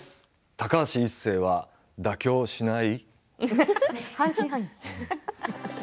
「高橋一生は妥協しない」。